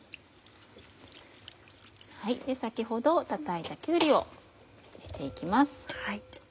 先ほどたたいたきゅうりを入れて行きます。